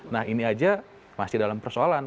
nah ini aja masih dalam persoalan